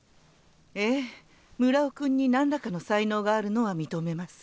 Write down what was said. ええ村尾君になんらかの才能があるのは認めます。